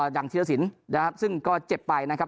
อย่างธีรศิลป์ซึ่งก็เจ็บไปนะครับ